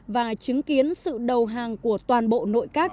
và chứng kiến sự đầu hàng của toàn bộ nội các